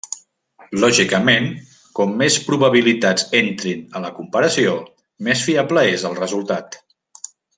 Lògicament, com més probabilitats entrin a la comparació, més fiable és el resultat.